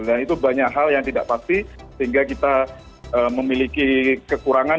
dan itu banyak hal yang tidak pasti sehingga kita memiliki kekurangan